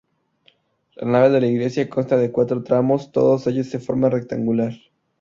La nave de la iglesia consta de cuatro tramos, todos ellos de forma rectangular.